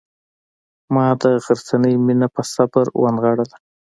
ما د غرڅنۍ مینه په صبر ونغاړله.